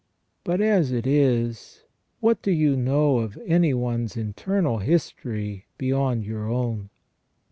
But, as it is, what do you know of any one's internal history beyond your own